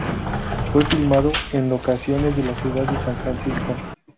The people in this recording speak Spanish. Fue filmado en locaciones de la ciudad de San Francisco.